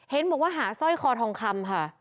เห็นบอกว่าหาสร้อยคอทองคำค่ะ